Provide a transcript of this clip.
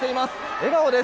笑顔です。